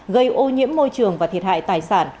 gây ô nhiễm môi trường và thiệt hại tài sản